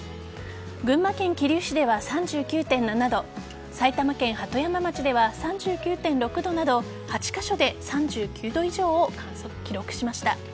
群馬県桐生市では３９．７度埼玉県鳩山町では３９．６度など８カ所で３９度以上を記録しました。